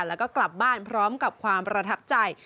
แล้วก็กลับบ้านพร้อมกับความประทับใจ